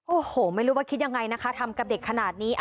โอ้โหไม่รู้ว่าคิดยังไงนะคะทำกับเด็กขนาดนี้